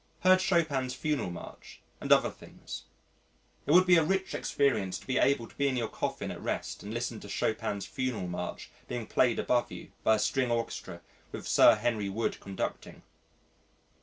Heard Chopin's Funeral March and other things. It would be a rich experience to be able to be in your coffin at rest and listen to Chopin's Funeral March being played above you by a string orchestra with Sir Henry Wood conducting.